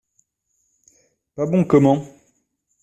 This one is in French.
Pas bon, comment ?